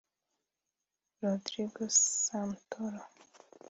Rodrigo Santoro